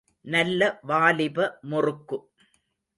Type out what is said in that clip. நல்ல வாலிப முறுக்கு.